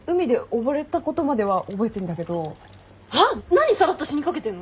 何さらっと死にかけてんの！？